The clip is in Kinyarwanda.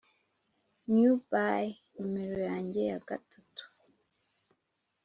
newbie numero yanjye ya gatatu,